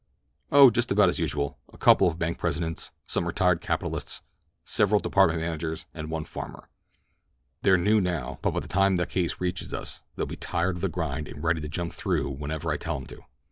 "Oh, just about as usual. A couple of bank presidents, some retired capitalists, several department managers, and one farmer. They're new now, but by the time that case reaches us they'll be tired of the grind and ready to jump through whenever I tell 'em to."